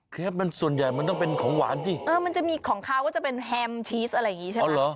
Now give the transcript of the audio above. มันส่วนใหญ่มันต้องเป็นของหวานสิเออมันจะมีของเขาก็จะเป็นแฮมชีสอะไรอย่างนี้ใช่ไหม